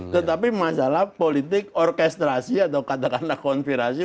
tetapi masalah politik orkestrasi atau katakanlah konfirasi